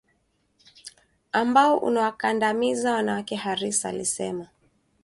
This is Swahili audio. ambao unawakandamiza wanawake Harris alisema